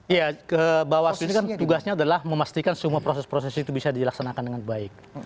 ya ke bawaslu ini kan tugasnya adalah memastikan semua proses proses itu bisa dilaksanakan dengan baik